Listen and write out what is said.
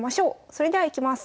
それではいきます。